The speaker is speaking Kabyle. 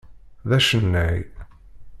D acennay.